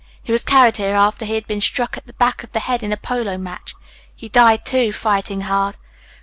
He was carried here after he had been struck at the back of the head in a polo match. He died, too, fighting hard.